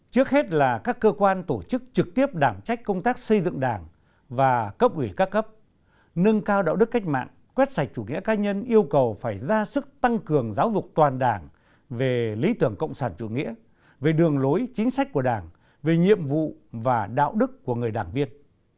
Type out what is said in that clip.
trước hết là các cơ quan tổ chức trực tiếp đảm trách công tác xây dựng đảng và cấp ủy các cấp nâng cao đạo đức cách mạng quét sạch chủ nghĩa cá nhân yêu cầu phải ra sức tăng cường giáo dục toàn đảng về lý tưởng cộng sản chủ nghĩa về đường lối chính sách của đảng về nhiệm vụ và đạo đức của người đảng viên